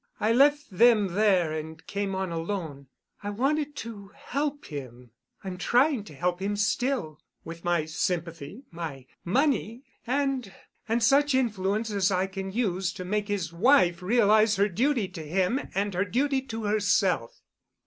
I left them there and came on alone. I wanted to help him—I'm trying to help him still—with my sympathy, my money—and—and such influence as I can use to make his wife realize her duty to him and her duty to herself."